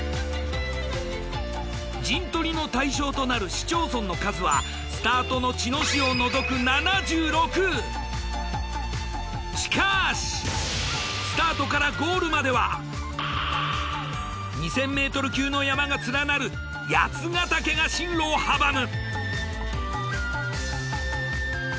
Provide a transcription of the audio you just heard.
陣取りの対象となる市町村の数はスタートの茅野市を除くしかしスタートからゴールまでは２，０００ｍ級の山が連なる八ヶ岳が進路を阻む。